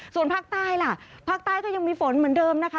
ส่วนภาคใต้ล่ะภาคใต้ก็ยังมีฝนเหมือนเดิมนะคะ